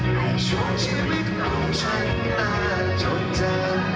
ในช่วงชีวิตของฉันมาจนเจอ